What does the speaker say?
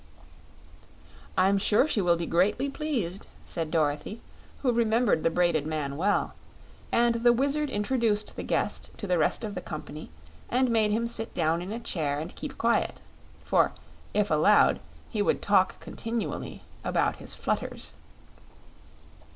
"I'm sure she will be greatly pleased," said Dorothy, who remembered the Braided Man well; and the Wizard introduced the guest to the rest of the company and made him sit down in a chair and keep quiet, for, if allowed, he would talk continually about his flutters.